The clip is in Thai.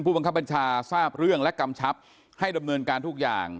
บังคับบัญชาทราบเรื่องและกำชับให้ดำเนินการทุกอย่าง